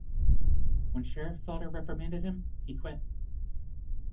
When Sheriff Slaughter reprimanded him, he quit.